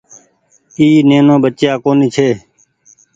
اي نينو ٻچئيآ ڪونيٚ ڇي۔